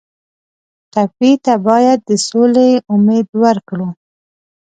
ټپي ته باید د سولې امید ورکړو.